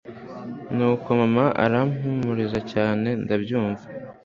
nuko mama arampumuriza nanjye ndabyumva